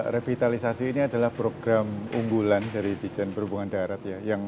revitalisasi ini adalah program unggulan dari jalan ditjen perhubungan darat